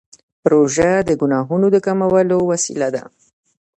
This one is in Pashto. روژه د ګناهونو د کمولو وسیله ده.